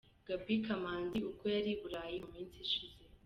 Gaby Kamanzi ubwo yari i Burayi mu minsi ishize.